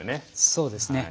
そうですね。